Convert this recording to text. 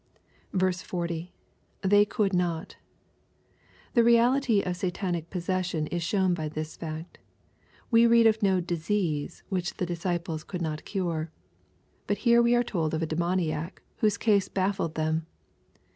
40. — [TTiey could not] The reality of Satanic possession is shown by this fact We read 6f no disease which the disciples could not cure. But here we are told of a demoniac whose case baffled them.